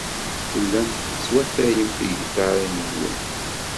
Tellam teswatayem tigiṭarin-nwen.